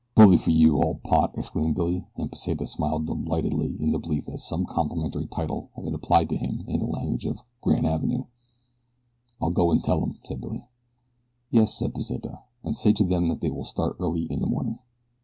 "Bully fer you, ol' pot!" exclaimed Billy, and Pesita smiled delightedly in the belief that some complimentary title had been applied to him in the language of "Granavenoo." "I'll go an' tell 'em," said Billy. "Yes," said Pesita, "and say to them that they will start early in the morning."